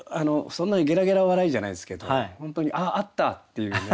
そんなにゲラゲラ笑いじゃないですけど本当に「あっあった」っていうね